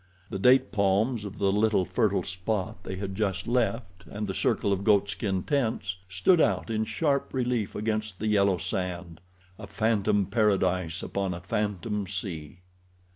The date palms of the little fertile spot they had just left, and the circle of goatskin tents, stood out in sharp relief against the yellow sand—a phantom paradise upon a phantom sea.